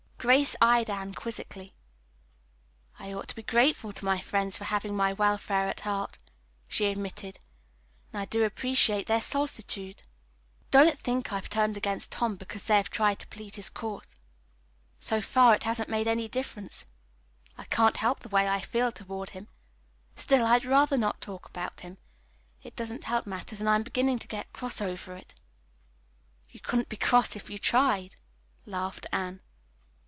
Grace eyed Anne quizzically. "I ought to be grateful to my friends for having my welfare at heart," she admitted, "and I do appreciate their solicitude. Don't think I've turned against Tom because they have tried to plead his cause. So far, it hasn't made any difference. I can't help the way I feel toward him. Still, I'd rather not talk about him. It doesn't help matters, and I am beginning to get cross over it." "You couldn't be cross if you tried," laughed Anne.